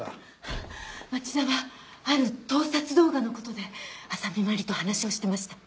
町田はある盗撮動画の事で浅見麻里と話をしてました。